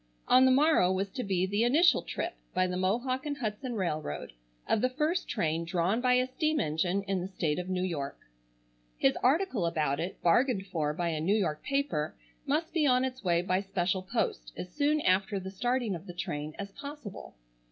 On the morrow was to be the initial trip, by the Mohawk and Hudson Railroad, of the first train drawn by a steam engine in the state of New York. His article about it, bargained for by a New York paper, must be on its way by special post as soon after the starting of the train as possible.